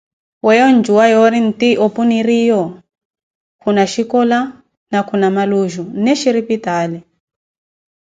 Weeyo ondjuwa yoori nti opu niriiyo khuna shicola, na khuna maluuju, nne shiripitaali.